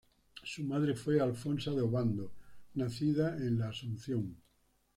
Su madre fue Alfonsa de Ovando, nacida en la Asunción.